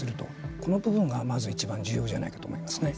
この部分がまず、いちばん重要じゃないかと思いますね。